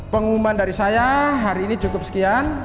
pengumuman dari saya hari ini cukup sekian